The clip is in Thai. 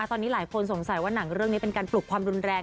ตอนนี้หลายคนสงสัยว่าหนังเรื่องนี้เป็นการปลุกความรุนแรง